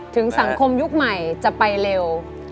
สังคมยุคใหม่จะไปเร็ว